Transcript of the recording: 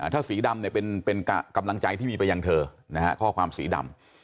ถ้าสีดำเป็นกำลังใจที่มีไปยังเธอนะฮะข้อความสีดำ